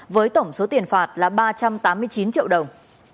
với tổng số tiền phạt là ba trăm tám mươi chín triệu đồng